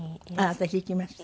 私行きました。